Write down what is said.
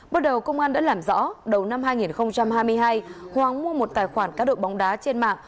bước đầu công an đã làm rõ đầu năm hai nghìn hai mươi hai hoàng mua một tài khoản cá độ bóng đá trên mạng